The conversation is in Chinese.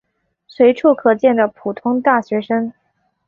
随处可见的普通大学生。